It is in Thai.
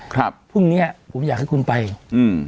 ครับพึ่งเนี้ยเราอยากให้คุณไปอืม